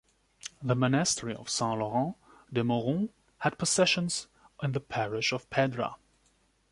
The monastery of Sant Llorenç de Morunys had possessions in the parish of Pedra.